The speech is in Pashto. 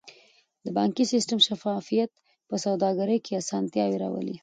د بانکي سیستم شفافیت په سوداګرۍ کې اسانتیاوې راولي.